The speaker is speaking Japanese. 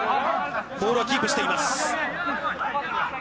ボールはキープしています。